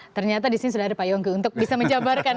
ternyata di sini sudah ada pak yonggi untuk bisa menjabarkan